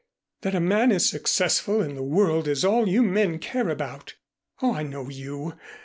That a man is successful in the world is all you men care about. Oh, I know you.